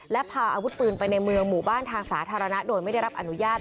และพาอาวุธปืนไปในเมืองหมู่บ้านทางสาธารณะโดยไม่ได้รับอนุญาต